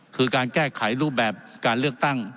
คือการแก้ไขรูปแบบการเลือกตั้ง